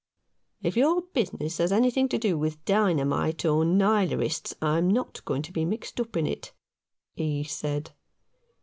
"If your business has anything to do with dynamite or Nilerists, I'm not going to be mixed 18S Rough Justice. up in it," he said.